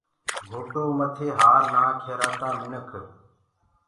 گھوٽو مٿي هآر نآک هيرآ تآ منک